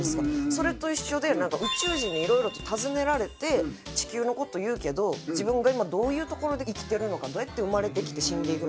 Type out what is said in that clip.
それと一緒で宇宙人にいろいろと尋ねられて地球の事を言うけど自分が今どういう所で生きてるのかどうやって生まれてきて死んでいくのか。